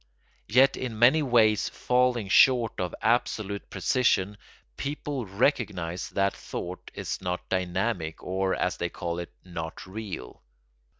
Yet in many ways falling short of absolute precision people recognise that thought is not dynamic or, as they call it, not real.